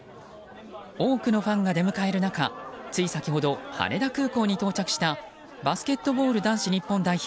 多くのファンが出迎える中つい先ほど羽田空港に到着したバスケットボール男子日本代表